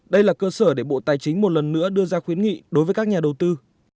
đây là cơ sở để bộ tài chính một lần nữa đưa ra khuyến nghị đối với các nhà đầu tư